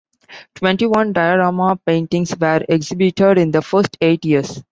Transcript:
Twenty-one diorama paintings were exhibited in the first eight years.